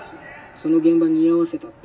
その現場に居合わせたって。